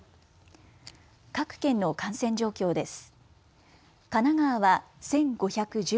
各県の感染状況です。